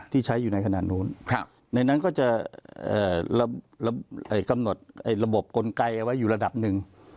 ที่ใช้อยู่ในขณะนู้นในนั้นก็จะกำหนดระบบกลไกเอาไว้อยู่ระดับหนึ่ง